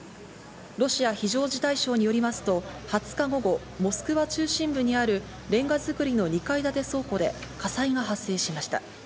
ロシア非常事態省によりますと、２０日午後、モスクワ中心部にあるレンガ造りの２階建て倉庫で火災が発生しました。